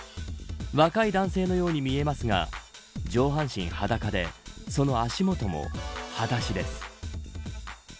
若い男性のように見えますが上半身裸でその足元もはだしです。